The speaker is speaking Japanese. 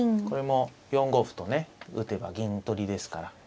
これも４五歩とね打てば銀取りですから。